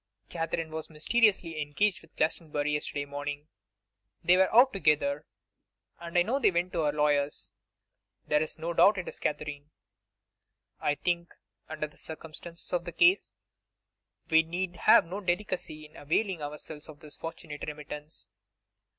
'Katherine was mysteriously engaged with Glastonbury yesterday morning. They were out together, and I know they went to her lawyer's. There is no doubt it is Katherine. I think, under the circumstances of the case, we need have no delicacy in availing ourselves of this fortunate remittance.